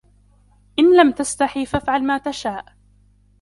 إن لم تستحي فافعل ما تشاء.